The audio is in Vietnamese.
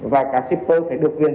và cả shipper phải được viên